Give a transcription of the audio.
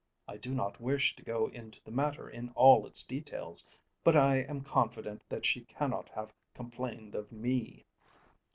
I do not wish to go into the matter in all its details, but I am confident that she cannot have complained of me.